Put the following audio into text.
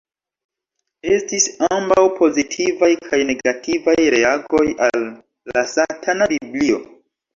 Estis ambaŭ pozitivaj kaj negativaj reagoj al "La Satana Biblio.